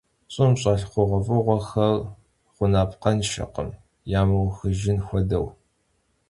Ş'ım ş'elh xhuğuef'ığuexer ğunapkhenşşekhım, yamıuxıjjın xuedeu.